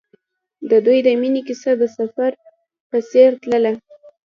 د دوی د مینې کیسه د سفر په څېر تلله.